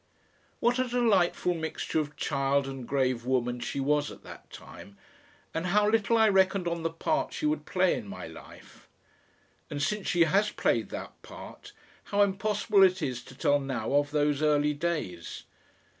What a delightful mixture of child and grave woman she was at that time, and how little I reckoned on the part she would play in my life! And since she has played that part, how impossible it is to tell now of those early days!